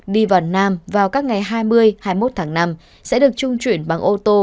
đi vào nam vào các ngày hai mươi hai mươi một tháng năm sẽ được trung chuyển bằng ô tô